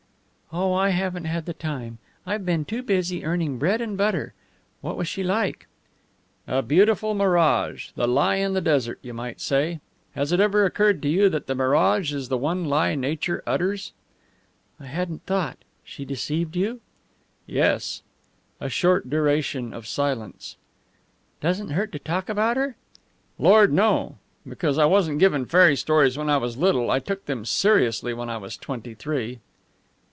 "Oh, I haven't had the time. I've been too busy earning bread and butter. What was she like?" "A beautiful mirage the lie in the desert, you might say. Has it ever occurred to you that the mirage is the one lie Nature utters?" "I hadn't thought. She deceived you?" "Yes." A short duration of silence. "Doesn't hurt to talk about her?" "Lord, no! Because I wasn't given fairy stories when I was little, I took them seriously when I was twenty three."